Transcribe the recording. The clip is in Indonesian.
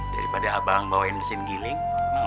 daripada abang bawain mesin giling